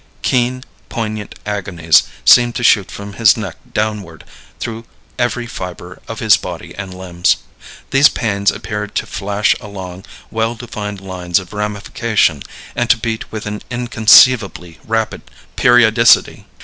Keen, poignant agonies seemed to shoot from his neck downward through every fiber of his body and limbs. These pains appeared to flash along well defined lines of ramification and to beat with an inconceivably rapid periodicity.